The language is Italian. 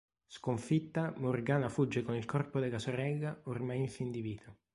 Sconfitta, Morgana fugge con il corpo della sorella ormai in fin di vita.